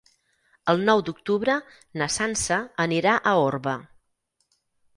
El nou d'octubre na Sança anirà a Orba.